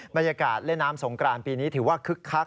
บรรยากาศเล่นน้ำสงกรานปีนี้ถือว่าคึกคัก